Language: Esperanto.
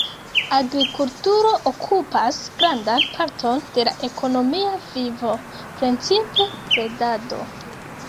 Agrikulturo okupas grandan parton de la ekonomia vivo, precipe bredado.